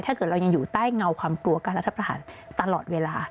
ถ้าเกิดเรายังอยู่ใต้เงาความกลัวการรัฐประหารตลอดเวลา